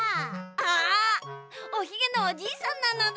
あおひげのおじいさんなのだ。